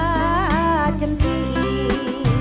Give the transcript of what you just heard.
เธอเลิกละช่วยมาจ้องตาฉันดี